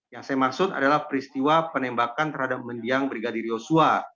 yang saya maksud adalah peristiwa penembakan terhadap mendiang brigadir yosua